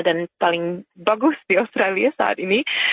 dan paling bagus di australia saat ini